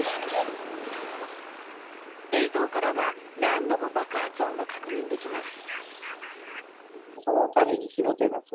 映像からは何度も爆発音が確認できます。